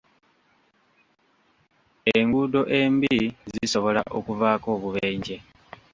Enguudo embi zisobola okuvaako obubenje.